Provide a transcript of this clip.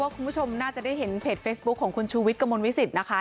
คุณผู้ชมน่าจะได้เห็นเพจเฟซบุ๊คของคุณชูวิทย์กระมวลวิสิตนะคะ